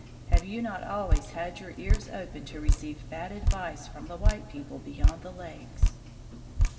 Have you not always had your ears open to receive bad advice from the white people beyond the lakes?"